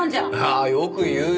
ああよく言うよ。